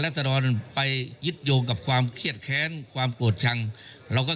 ลักษณ์ไปยิดโยงกับความเคียดแค้นความโกดชังเราก็